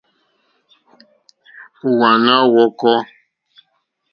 Hwàná ǃhwɔ́kɔ́.